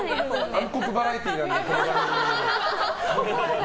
暗黒バラエティーって。